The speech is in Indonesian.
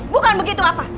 bukan begitu apa